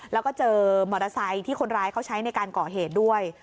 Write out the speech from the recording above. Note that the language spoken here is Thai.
แล้วก็เจอมอเตอร์ไซค์ที่คนร้ายเขาใช้ในการก่อเหตุด้วย